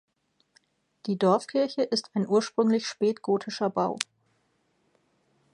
Die Dorfkirche ist ein ursprünglich spätgotischer Bau.